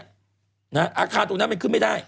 อาคารตรงนั้นมันขึ้นไม่ได้